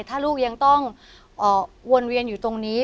ถ้าลูกยังต้องวนเวียนอยู่ตรงนี้